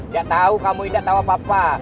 gak tau kamu gak tau apa apa